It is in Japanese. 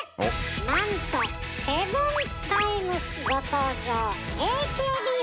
なんとセブンタイムスご登場。